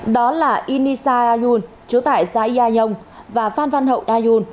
đó là inisa ayun chú tại giai yai nhông và phan phan hậu ayun